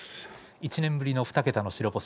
１年ぶりの２桁の白星